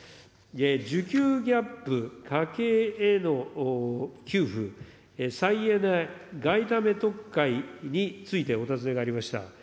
需給ギャップ、家計への給付、再エネ外為特会についてお尋ねがありました。